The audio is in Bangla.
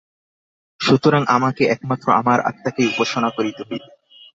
সুতরাং আমাকে একমাত্র আমার আত্মাকেই উপাসনা করিতে হইবে।